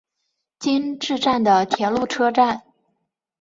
今治站的铁路车站。